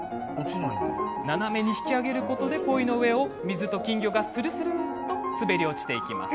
斜めに引き上げることでポイの上を水と金魚が滑り落ちていきます。